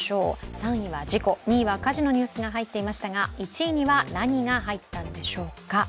３位は事故、２位は火事のニュースが入っていましたが１位には何が入ったんでしょうか。